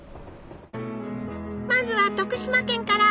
まずは徳島県から！